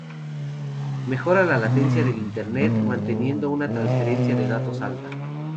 Mejora la latencia del Internet, manteniendo una transferencia de datos alta.